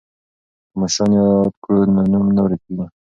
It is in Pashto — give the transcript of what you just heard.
که مشران یاد کړو نو نوم نه ورکيږي.